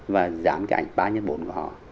và dán cái ảnh ba trăm một mươi bốn của họ